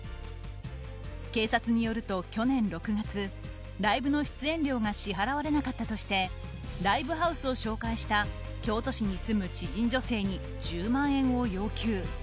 警察によると去年６月ライブの出演料が支払われなかったとしてライブハウスを紹介した京都市に住む知人女性に１０万円を要求。